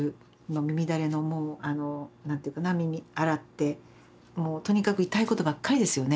耳だれのもう何て言うかな耳洗ってもうとにかく痛いことばっかりですよね。